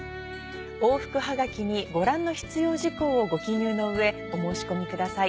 往復ハガキにご覧の必要事項をご記入の上お申し込みください。